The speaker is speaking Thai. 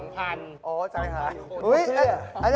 อ๋อจากไหนหาย